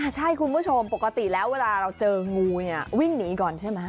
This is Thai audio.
ใช่คุณผู้ชมปกติแล้วเวลาเราเจองูเนี่ยวิ่งหนีก่อนใช่ไหม